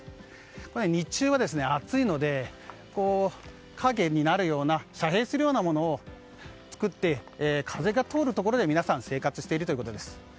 ただ、日中は暑いので、影になるような遮蔽するようなものを作って風が通るところで、皆さん生活しているということです。